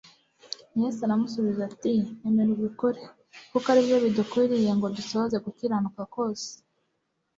Yesu aramusubiza ati: ''Emera ubikore, kuko ari byo bidukwiriye ngo dusohoze gukiranuka kose